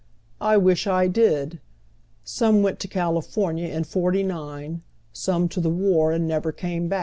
" I wish I did. Some went to California in '49, some to the war and never came back.